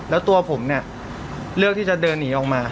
แล้วตัวผมเนี่ยเลือกที่จะเดินหนีออกมา